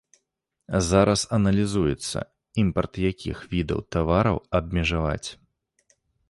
Зараз аналізуецца, імпарт якіх відаў тавараў абмежаваць.